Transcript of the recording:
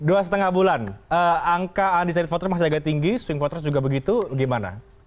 oke mas andri dua lima bulan angka andri said fotrus masih agak tinggi swing fotrus juga begitu gimana